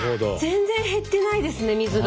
全然減ってないですね水が。